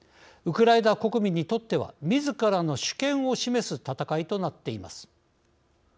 ウクライナ国民にとってはみずからの主権を示す戦いとなっています。